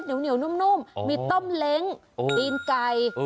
เหนียวนุ่มมีต้มเล้งตีนไก่